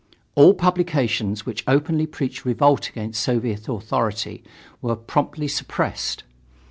All publications which openly preached revolt against Soviet authority were promptly suppressed.